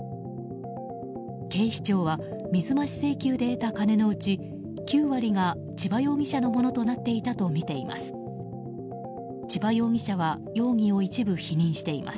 警視庁は水増し請求で得た金のうち９割が千葉容疑者のものとなっていたとみています。